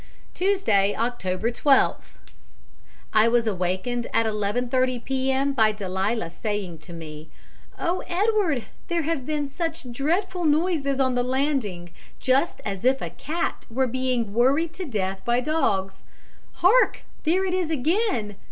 "Tuesday, October 12th. I was awakened at 11.30 p.m. by Delia saying to me, 'Oh, Edward, there have been such dreadful noises on the landing, just as if a cat were being worried to death by dogs. Hark! there it is again.'